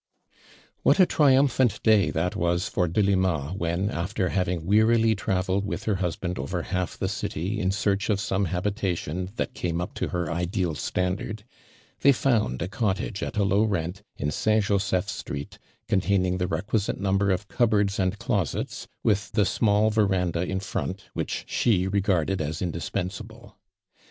What a triumpliant day that was for Delima when, after having wearily travelled with her husband over half the city in search of some habitation that came up to lier ideal standard, they found a cottage at a low rent, in St. Joseph street, containing the requisite number of cupboards and closets, with the small verandah in front which she regarded as indispensable.